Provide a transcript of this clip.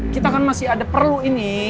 kita kan masih ada perlu ini